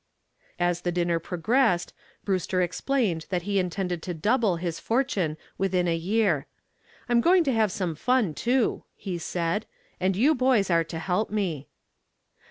As the dinner progressed Brewster explained that he intended to double his fortune within a year. "I'm going to have some fun, too," he said, "and you boys are to help me."